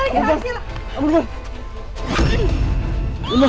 mana baliknya arsy lah